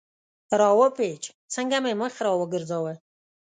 را و پېچ، څنګه مې مخ را وګرځاوه.